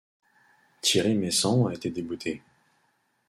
Thierry Meyssan a été débouté.